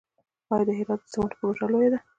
آیا د هرات د سمنټو پروژه لویه ده؟